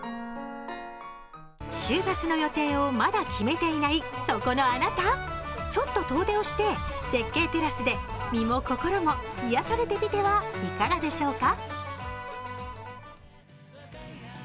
週末の予定をまだ決めていないそこのあなた、ちょっと遠出をして、絶景テラスで身も心も癒やされてみてはいかがでしょうか？